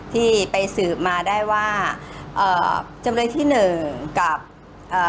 ที่ไปสืบมาได้ว่าเอ่อจำเลยที่หนึ่งกับเอ่อ